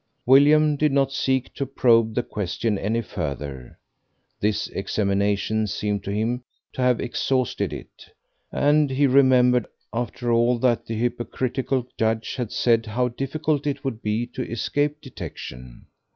William did not seek to probe the question any further, this examination seemed to him to have exhausted it; and he remembered, after all that the hypocritical judge had said, how difficult it would be to escape detection.